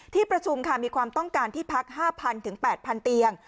ที่ประชุมค่ะมีความต้องการที่พัก๕๐๐๘๐๐เตียง